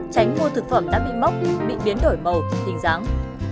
tránh mua thực phẩm đã bị móc bị biến đổi màu tính dáng